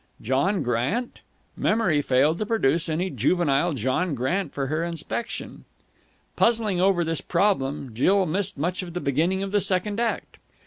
John Grant? Memory failed to produce any juvenile John Grant for her inspection. Puzzling over this problem, Jill missed much of the beginning of the second act.